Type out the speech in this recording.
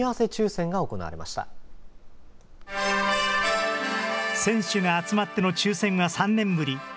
選手が集まっての抽せんは３年ぶり。